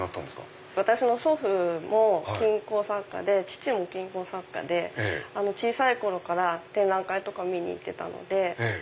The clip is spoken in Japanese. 私の祖父も金工作家で父も金工作家で小さい頃から展覧会とか見に行ってたので。